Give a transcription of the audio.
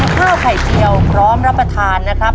ข้าวไข่เจียวพร้อมรับประทานนะครับ